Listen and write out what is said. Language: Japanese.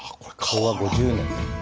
昭和５０年。